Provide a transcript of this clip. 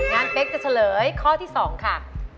งั้นเป๊กจะเฉลยข้อที่๒ค่ะ